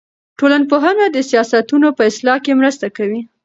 ټولنپوهنه د سیاستونو په اصلاح کې مرسته کوي.